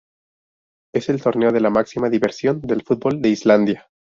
Es el torneo de la máxima división del Fútbol de Islandia.